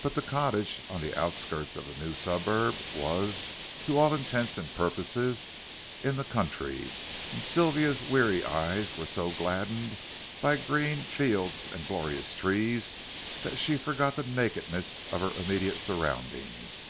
But the cottage, on the outskirts of the new suburb, was, to all intents and purposes, in the country, and Sylvia's weary eyes were so gladdened by green fields and glorious trees that she forgot the nakedness of her immediate surroundings.